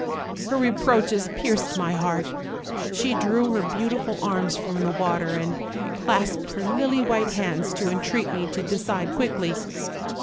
"Her reproaches pierced my heart; she drew her beau tiful arms from the water, and clasped her lily white hands to entreat me to decide quickly.